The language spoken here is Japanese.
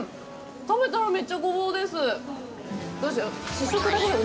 食べたら、めっちゃごぼうです。